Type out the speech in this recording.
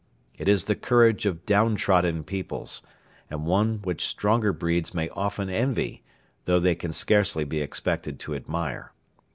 It is the courage of down trodden peoples, and one which stronger breeds may often envy, though they can scarcely be expected to admire.